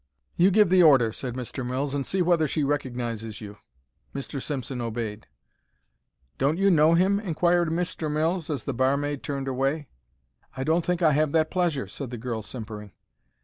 "You give the order," said Mr. Mills, "and see whether she recognizes you." Mr. Simpson obeyed. "Don't you know him?" inquired Mr. Mills, as the barmaid turned away. "I don't think I have that pleasure," said the girl, simpering.